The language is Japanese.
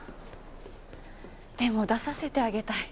でも出させてあげたい。